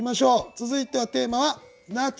続いてはテーマは「夏」。